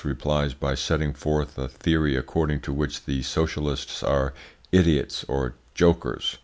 replies by setting forth a theory according to which the socialists are `idiots' or `jokers.'"